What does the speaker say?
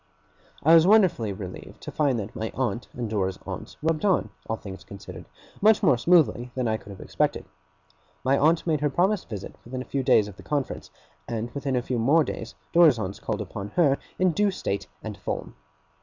I was wonderfully relieved to find that my aunt and Dora's aunts rubbed on, all things considered, much more smoothly than I could have expected. My aunt made her promised visit within a few days of the conference; and within a few more days, Dora's aunts called upon her, in due state and form.